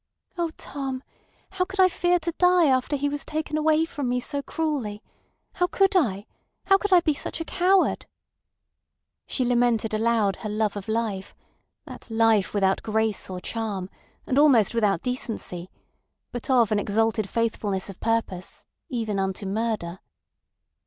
"Oh, Tom! How could I fear to die after he was taken away from me so cruelly! How could I! How could I be such a coward!" She lamented aloud her love of life, that life without grace or charm, and almost without decency, but of an exalted faithfulness of purpose, even unto murder.